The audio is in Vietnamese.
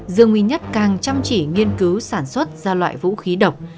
dương nguy nhất càng chăm chỉ nghiên cứu sản xuất ra loại vũ khí độc